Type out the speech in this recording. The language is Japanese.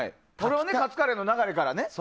カツカレーの流れからね。